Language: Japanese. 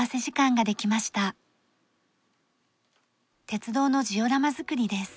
鉄道のジオラマ作りです。